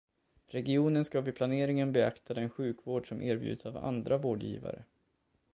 Regionen ska vid planeringen beakta den sjukvård som erbjuds av andra vårdgivare.